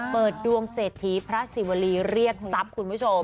เปิดดวงเศรษฐีพระศิวรีเรียกทรัพย์คุณผู้ชม